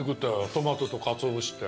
トマトとかつお節って。